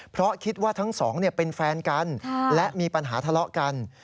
เพราะคิดว่าทั้งสองเป็นแฟนกันและมีปัญหาทะเลาะกัน